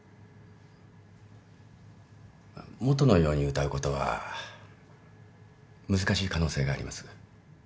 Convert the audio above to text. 元のように歌うことは難しい可能性があります。